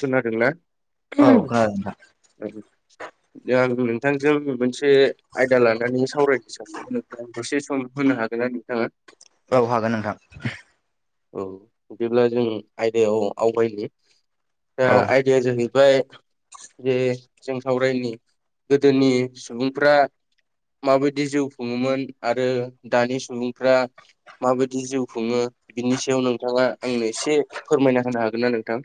खोनादोंना? औ खोनादों दा आं नोंथांजों मोनसे आयदा लानानै सावरायनो सानदों नोंथां दसे सम होनो हागोनना नोंथाङा? औ हागोन नोंथां। औ बिदिब्ला जों आयदायाव आवगायनो दा औ आयदाया जाहै बाय जे जों सावरायनि गोदोनि सुबुंफ्रा माबायदि जिउ खुङोमोन आरो दानि सुबुंफ्रा माबायदि जिउ खुङो बिनि सायाव नोंथाङा आंनो एसे फोरमायना होनो हागोन ना नोंथां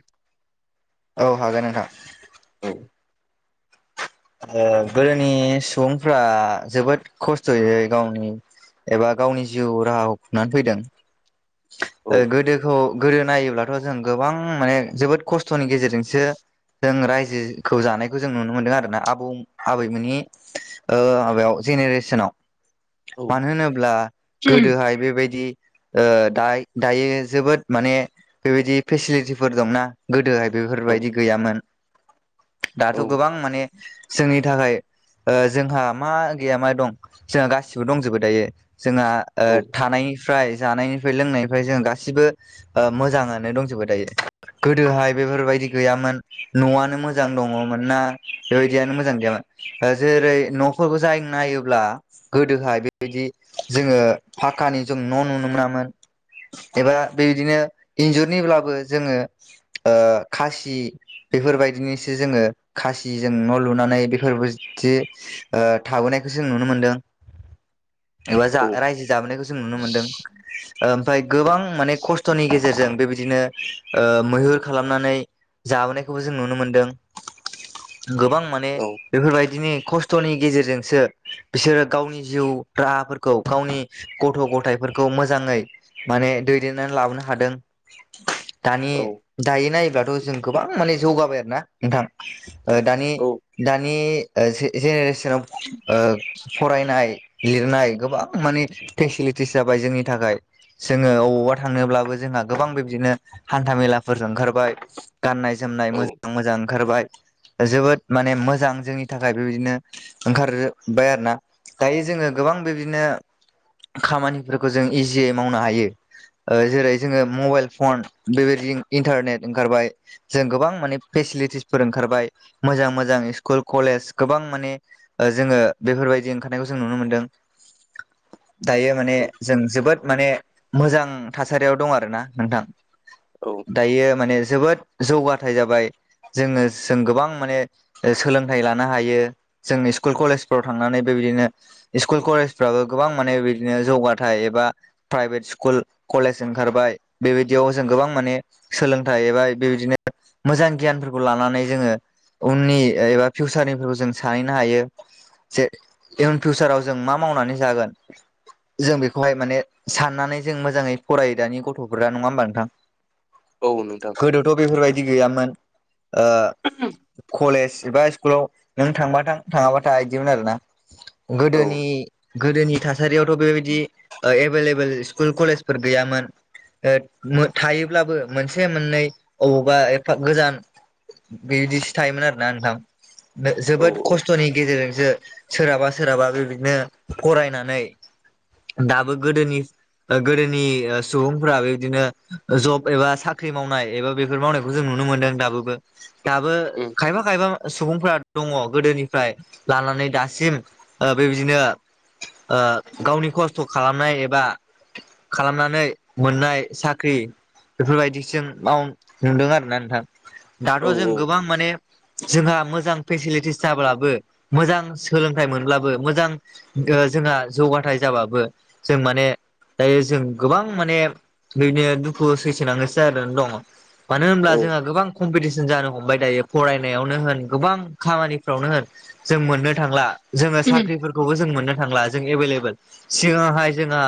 औ हागोन औ नोंथां ओ गोदोनि सुबुंफ्रा जोबोद खस्थयै गावनि एबा गावनि जिउ राहाखौ खुंनानै फैदों औ गोदोखौ गोदो नायोब्लाथ जों गोबां माने जोबोद खस्थनि गेजेरजोंसो जों रायजोखौ जानायखौ जों नुनो मोनदों आरोना आ आबौ आबैमोननि माबायाव ओ जेनेरेसनाव औ मानो होनोब्ला गोदोहाय बेबायदि ओ दाय दायो जोबोद माने बेबायदि फेसिलिटिफोर दंना गोदोहाय औ बेफोरबायदि गैयामोन औ दाथ गोबां माने जोंनि थाखाय जोंहा मा गैया मा दं जोंहा गासिबो दंजोबो दायो जोंहा ओ औ थानाय फ्राय जानायनिफ्राय लोंनायनिफ्राय जों गासिबो मोजाङनो दंजोबो दायो गोदोहाय बेफोरबायदि गैयामोन न'आनो मोजां दङमोन ना बेबाय बियानो मोजां गैयामोन जेरै न'रफोरखौ जाय नायोब्ला गोदोहाय बेबायदि जोङो फाकानि जों न' नुनो मोनामोन एबा बेबायदिनो इन्जुरनिब्लाबो जोङो खासि बेफोरबायदिनोसो जोङो खासि जो न' लुनानै बेफोरबायदि ओ थाबोनायखौ जों नुनो मोनदों एबा औ रायजो जाबोनायखौ जों नुनो मोनदों फाय गोबां माने खस्थनि गेजेरजों बेबायदिनो ओ मैहुर खालामनानै जाबोनायखौबो जों नुनो मोनदों गोबां माने औ बेफोरबायदिनि खस थ'नि गेजेरजोंसो बिसोरो गावनि जिउ राहाफोरखौ गावनि गथ' गथायफोरखौ मोजांङै माने दैदेननानै लाबोनो हादों दानि औ दायो नायोब्लाथ' जों गोबां माने जौगाबाय आरो ना नोंथां औ ओ दानि औ दान नि ओ जे जेनेरेसनाव फरायनाय लिरनाय गोबां माने फेसिलिटिस जाबाय जोंनि थाखाय जोंङो अबावबा थांनोब्लाबो जोंहा गोबां बिब्दिनो हान्था मेलाफोरजों ओंखारबाय गाननाय जोमनाय औ मोजां मोजां ओंखारबाय जोबोद माने मोजां जोंनि थाखाय बेबायदिनो ओंखारोबबाय आरो ना दायो जोंङो गोबां बिदिनो खामानिफोरखौ जों इजियै मावनो हायो। ओ जेरै जोंङो मबाइल फन बेबायदि इन्टारनेट ओंखारबाय जों गोबां माने फेसिलिटिसफोर ओंखारबाय मोजां मोजां स्कुल कलेज गोबां माने जोङो बेफोरबायदि ओंखारनायखौ जों नुनो मोनदों [inaudible] दायो माने औ जों जोबोद माने मोजां थासारियाव दं आरो ना नोंथां औ दायो माने जोबोद जौगाथाय जाबाय जोंङो जों गोबां माने सोलोंथाइ लानो हायो जोंनि स्कुल कलेजफ्राव थांनानै बेबायदिनो सकुल कलेजफ्राबो गोबां माने बिदिनो जौगाथायाइ एबा प्राइभेट स्कुल कलेज ओंखारबाय बेबायदियाव जों गोबां माने सोलोंथाइ एबा बेबायदिनो मोजां गियानफोरखौ लानानै जोंङो उननि एबा फिउसारनिफोरखौ जों सानैहनो हायो जे इयुन फिउसाराव जों मा मा मावनानै जागोन जों बेखौहाय माने साननानै जों मोजांङै फरायो दानि गथ'फोरा नंङा होमबा नोंथां औ नोंथां गोदोथ' बेफोरबायदि गैयामोन कलेज एबा स्कुलाव नों थांबाथ थांङाबाथाया बिदिमोन आरो ना औ गोदोनि गोदोनि थासारियावथ' बेबायदि एभेलेब स्कुल कलेजफोर गैयामोन थायोब्लाबो मोनसे मोननै अबावबा एफा गोजान बिदिसो थायोमोन आरो ना नोंथां औ जोबोद औ खस्थ'नि गेजेरजों ज सोरहाबा सोरहाबा बेबायदिनो फरायनानै दाबो गोदोनि गोदोनि सुबुंफोरा बेबायदिनो जब एबा साख्रि मावनाय एबा बेफोर मावनायखौ जों नुनो मोनो नुनो मोनदों दाबो दाबो उम खायफा खायफा सुबुंफोरा दंङो गोदोनिफ्राय लानानै दासिम बेबायदिनो गावनि खस्थ' खालामनाय एबा खालामनानै मोननाय साख्रि बेफोरबायदि जों माव नुदों आरोना नोंथां आरो औ जों औ गोबां माने जोंहा मोजां फेसिलिटिस जाब्लाबो मोजां सोलोंथाइ मोनब्लाबो मोजां जोंहा जौगाथाय जाबाबो जों माने दायो जों गोबां माने बिदिनो दुखु सैसो आरो दंङो मानो होनब्ला औ जोंहा गोबां कम्पिटिसन जानो हमबाय दायो फरायनायावनो होन गोबां खामानिफ्रावनो होन जों मोननो थांला जोंङो साख्रिफोरखौबो जों मोननो थांला जों एभलेबेल सिगाङावहाय जोंहा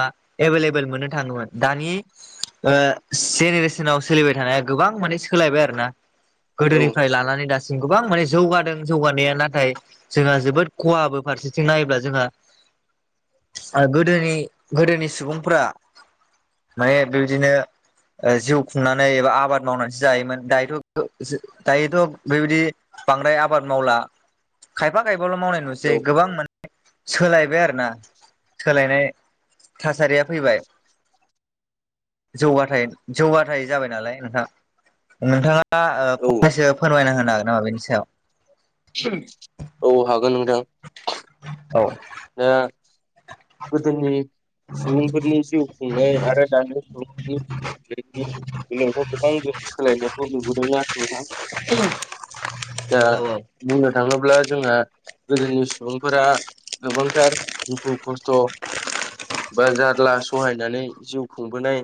एभलेबोल मोननो थांङोमोन दानि जेनेरेसनाव सोलिबाय थानाया गोबां माने सोलायबाय आरो ना औ गोदोनिफ्राय लानानै दासिम गोबां माने जौगादों जौगानाया नाथाय जोंहा जोबोद खहाबो फारसेथिं नायोब्ला जोंहा गोदोनि गोदोनि सुबुंफोरा माने बेबायदिनो जिउ खुंनानै एबा आबाद मावनानैसो जायोमोन दायोथ' दायोथ' बेबायदि बांद्राय आबाद मावला खायफा खायफा ल' मावनाय नुसै औ गोबां माने सोलायबाय आरो ना सोलायनाय थासारिया फैबाय जौगाथाय जौगाथाय जाबाय नालाय नोंथां नोंथांङा औ फंनैसो फोरमायना होनो हागोन नामा बेनि सायाव औ हागोन नोंथां औ दा गोदोनि सुबुंफोरनि जिउ खुंनाय आरो दानि सुबुंफोरनि जिउ खुंनायनि दिनैहाय गोबां जों सोलायनायखौ नुबोदों आरो नोंथां दा औ बुंनो थाङोब्ला जोंहा गोदोनि सुबुंफोरा गोबांथार दुखु खस्थ' बा जार्ला सहायनानै जिउ खुंबोनाय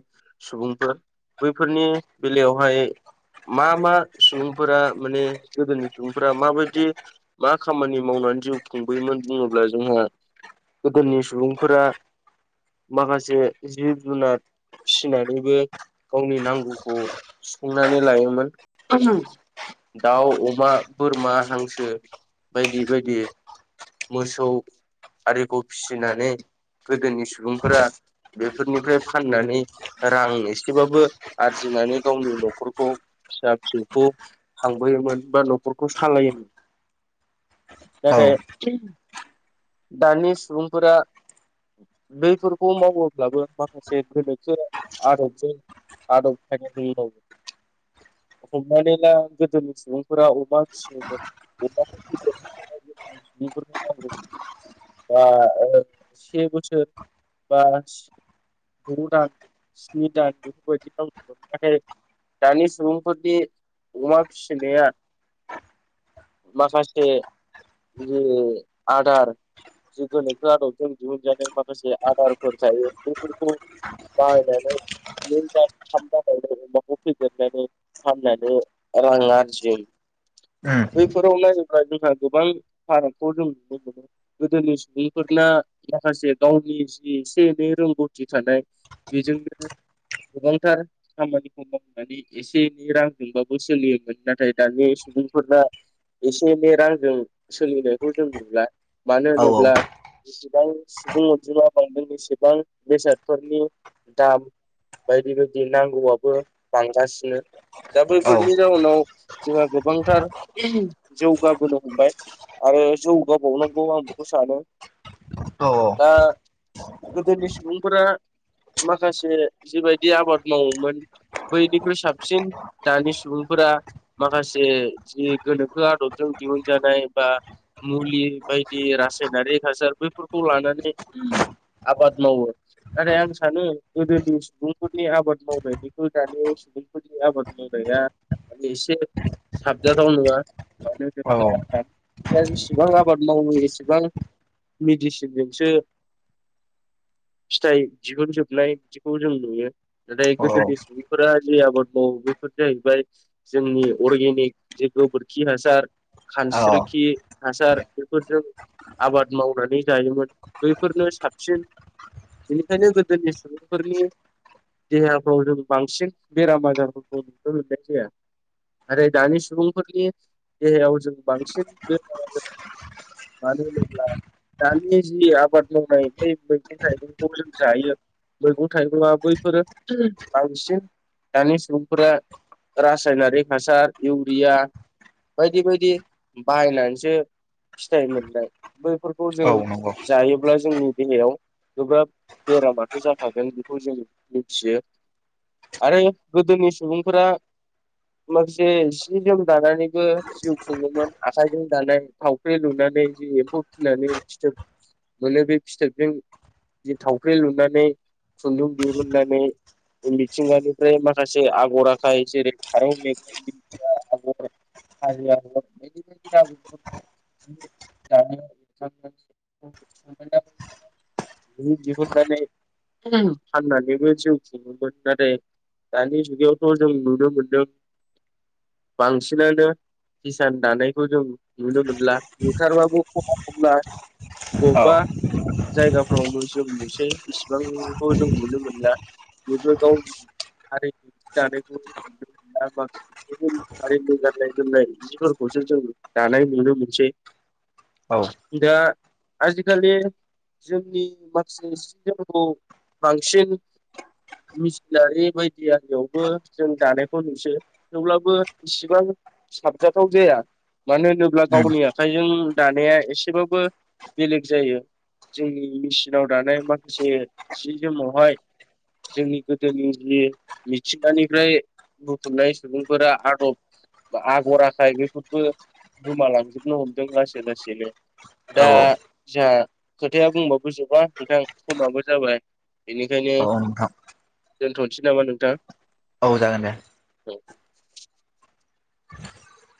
सुबुंफोर बैफोरनि बेलायावहाय मा मा सुबुंफोरा माने गोदोनि सुबुं फोरा माबायदि मा खामानि मावनानै जिउ खुंबोयोमोन बुङोब्ला जोंहा गोदोनि सुबुंफोरा माखासे जिब जुनार फिसिनानैबो गावनि नांगौखौ सुफुंनानै लायोमोन दाउ अमा बोरमा हांसो बायदि बायदि मोसौ आरिखौ फिसिनानै गोदोनि सुबुंफोरा बेफोरनिफ्राय फाननानै रां एसेबाबो आरजिनानै गावनि न'खरखौ फिसा फिसौखौ खांबोयोमोन बा न'खरखौ सालायोमोन [inaudible] उम नाथाय दानि सुबुंफोरा बैफोरखौ मावोब्लाबो माखासे गोनोखो आदबजों [unintelligible] हमनानै ला गोदोनि सुबुंफोरा अमा फिसि अमाखौ [unintelligible] [unintelligible] बा से बोसोर बा गु दान स्नि दान बेबायदि [unintelligible] दानि सुबुंफोरनि अमा फिसिनाया माखासे जि आदार। जि गोनोखो आदाबजों दिहुनजानाय माखासे आदारफोर थायो बेफोरखौ बायनानै नै दान थाम दानावनो अमाखौ फेदेरनानै फाननानै रां आरजियो। बैफोराव नायोब्ला जोंहा गोबां फारागखौ जों नुनो मोनो। गोदोनि सुबुंफोरना माखासे गावनि जि एसे एनै रोंगौथि थानाय। बेजोंनो गोबांथार खामानिखौ मावनानै एसे एनै रांजोंबाबो सोलियोमोन नाथाय दानि बे सुबुंफोरना एसे एनै रांजों सोलिनायखौ जों नुला। मानो औ होनोब्ला गोबां सुबुं अनजिमा बांदों बेसेबां बेसादफोरनि दाम। बायदि बायदि नांगौआबो बांगासिनो दा बैफोरनि जाउनाव जोंहा गोबांथार जौगाबोनो हमबाय आरो जौगाबावनो। आं बेखौ सानो। औ। दा गोदोनि सुबुंफोरा माखासे जिबायदि आबाद मावोमोन बैनिख्रुइ साबसिन दानि सुबुंफोरा माखासे जि गोनोखो आदबजों दिहुन जानाय बा मुलि बायदि रासायनारि हासार बैफोरखौ लानानै आबाद मावो नाथाय आं सानो गोदोनि सुबुंफोरनि आबाद मावनाय बेखौ दानि सुबुंफोरनि आबाद मावनाय एसे साबजाथाव नङा। मानो औ। होनोब्ला दानिफ्राय जेसेबां आबाद मावो एसेबां मेडिसिनजोंसो [inaudible] फिथाइ दिहुनजोबनाय बिदिखौ जों नुयो नाथाय औ गोदोनि सुबुंफोरा जि आबाद मावो बे फोर जाहैबाय जोंनि अर्गेनिक जे गोबोरखि हासार खानस्रिखि हासार बेफोरजों आबाद मावनानै जायोमोन बैफोरनो साबसिन बेनिखायनो गोदोनि सुबुंफोरनि देहाफ्राव जों बांसिन बेराम आजारफोरखौ न मोननाय जाया। आरो दानि सुबुंफोरनि देहायाव जों बांसिन बेमार आजार मानो होनोब्ला दानि जि आबाद मावनाय बे मैगं थाइगंखौ जों जायो। मैगं थाइगंआ बैफोरो बांसिन दानि सुबुंफोरा रासायनारिक हासार इउरिया बायदि बायदि बाहायनानैसो फिथाइ मोननाय बैफोरखौ औ जों नंगौ जायोब्ला जोंनि देहायाव गोब्राब बेरामाथ' जाखागोन बेखौ जों मिथियो। आरो गोदोनि सुबुंफोरा माखासे सि जोम दानानैबो जिउ खुङोमोन आखायजों दानाय थाव फाइ लुनानै जि एम्फौ फिसिनानै फिथोब मोनो बे फिथोबजों बि थावख्रि लुनानै खुन्दुं दिहिरुननानै मिथिंगानिफ्राय माखासे आगर आखाय जेरै फारौ मेगं दिन्थिया आगर हाजो आगर [unintelligible] [unintelligible] [inaudible] बि दिहुननानै फाननानैबो जिउ खुङोमोन नाथाय दानि जुगावथ' जों नुनो मोनदों बांसिनानो किसान दानायखौ जों नुनो मोनला। बुथारबाबो खमा खमला औ बबेबा जायगाफ्रावनो जों मोनसे इसिबांखौ जों नुनो मोनला बेबो गाव हारि जि दानायखौ माखसे गुबुन हारिनि गाननाय जोमनाय सिफोरखौ सो जों दानाय नुनो मोनसै [inaudible] दा आजिखालि जोंनि माखासे सि जोमखौ बांसिन मिसिनारि बायदियियावबो जों दानायखौ नुसै थेवब्लाबो इसिबां साबजाथाव जाया मानो होनोब्ला उम गावनिया खाइनि दानाया एसेबाबो बेलेग जायो जोंनि मेचिनाव दानाय माखासे जि जोमावहाय जोंनि गोदोनि जि मिथिंगानिफ्राय बुथुमनाय सुबुंफोरा आदब आगर आखाय बेफोरबो गोमालां नो हमदों लासै लासैनो औ दा जोंहा खोथाया बुंबाबो जोबा नोंथां समाबो जाबाय बेनिखायनो औ नोंथां दोनथ'सै नामा नोंथां औ जागोन दे औ